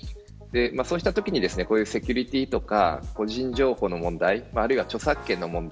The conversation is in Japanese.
そうしたときにセキュリティとか個人情報の問題あるいは著作権の問題